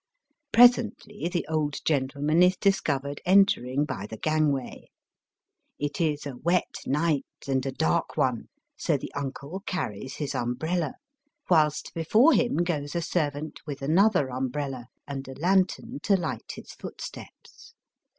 Presently the old gentleman is discovered entering by the gang way. It is a wet night and a dark one, so the Digitized by VjOOQIC 300 BAST BY WEST* uncle carries his umbrella, whilst before him goes a servant with another umbrella and a lantern to light his footsteps.